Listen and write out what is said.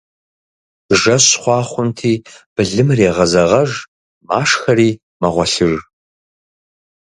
Жэщ хъуа хъунти, былымыр егъэзэгъэж, машхэри мэгъуэлъыж.